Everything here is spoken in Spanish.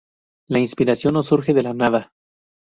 La inspiración no surge de la nada